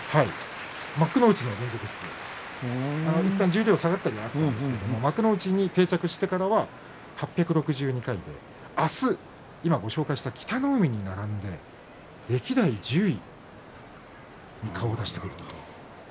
十両に下がったりしますが幕内に定着してから８６２回で明日、今、ご紹介した北の湖に並んで歴代１０位に顔を出してくると。